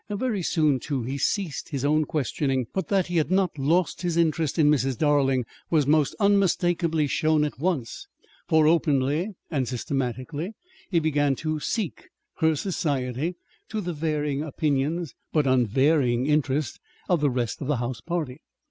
Very soon, too, he ceased his own questioning. But that he had not lost his interest in Mrs. Darling was most unmistakably shown at once, for openly and systematically he began to seek her society to the varying opinions (but unvarying interest) of the rest of the house party.